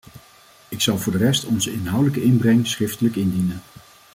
Ik zal voor de rest onze inhoudelijke inbreng schriftelijk indienen.